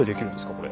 これ。